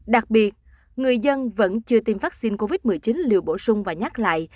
đặc biệt người dân vẫn chưa tiêm vaccine covid một mươi chín liều bổ sung và nhắc lại